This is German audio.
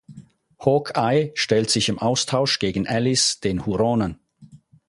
Hawkeye stellt sich im Austausch gegen Alice den Huronen.